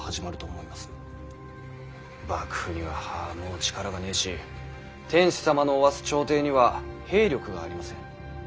幕府にははぁもう力がねぇし天子様のおわす朝廷には兵力がありません。